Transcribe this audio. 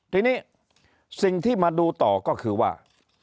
ทีนี้สิ่งที่มาดูต่อก็คือว่า